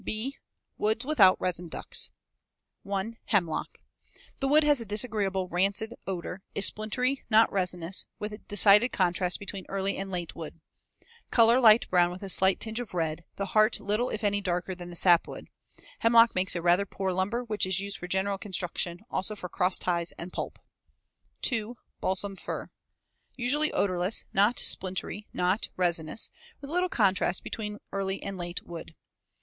B. Woods without resin ducts. 1. Hemlock. The wood has a disagreeable, rancid odor, is splintery, not resinous, with decided contrast between early and late wood. Color light brown with a slight tinge of red, the heart little if any darker than the sapwood. Hemlock makes a rather poor lumber which is used for general construction, also for cross ties, and pulp. 2. Balsam fir. Usually odorless, not splintery, not resinous, with little contrast between early and late wood.